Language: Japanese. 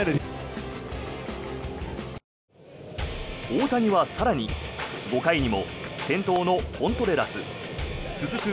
大谷は更に５回にも先頭のコントレラス続く